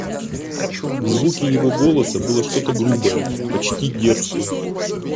В звуке его голоса было что-то грубое, почти дерзкое.